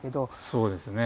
そうですね。